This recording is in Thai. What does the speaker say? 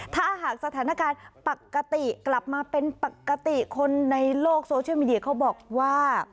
ถ้าหากสถานการณ์ปกติกลับมาเป็นปกติคนในโลกโซเชียลมีเดียเขาบอกว่า